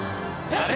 あれ？